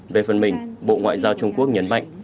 về phần mình bộ ngoại giao trung quốc nhấn mạnh